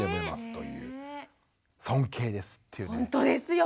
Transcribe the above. ほんとですよ